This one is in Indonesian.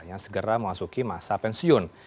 yang segera memasuki masa pensiun